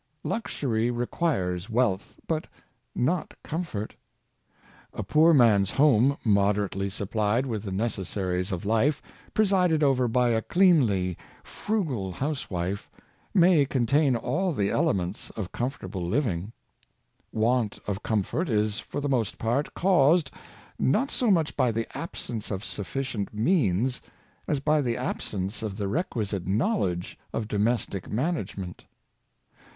Luxury re quires wealth, but not comfort. A poor man's home, 2 18 Comfortable People. moderately supplied with the necessaries of life, pre sided over by a cleanly, frugal housewife, may contain all the elements of comfortable living. Want of com fort is for the most part caused, not so much by the absence of sufficient means as by the absence of the requisite knowledge of domestic management.